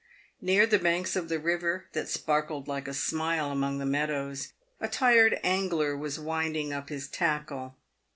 Near the banks of the river, that sparkled like a smile along the meadows, a tired angler was winding up his tackle.